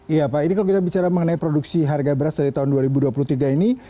iya pak ini kalau kita bicara mengenai produksi harga beras dari tahun dua ribu dua puluh tiga ini